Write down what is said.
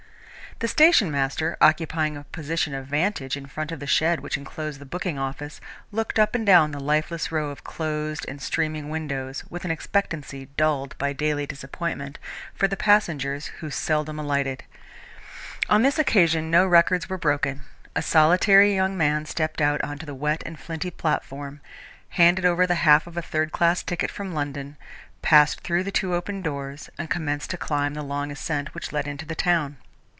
The station master, occupying a position of vantage in front of the shed which enclosed the booking office, looked up and down the lifeless row of closed and streaming windows, with an expectancy dulled by daily disappointment, for the passengers who seldom alighted. On this occasion no records were broken. A solitary young man stepped out on to the wet and flinty platform, handed over the half of a third class return ticket from London, passed through the two open doors and commenced to climb the long ascent which led into the town.